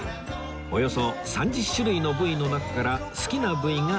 およそ３０種類の部位の中から好きな部位が選べます